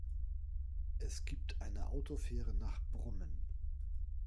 Es gibt eine Autofähre nach Brummen.